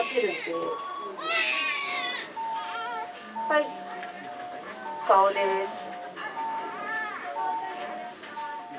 はい顔です。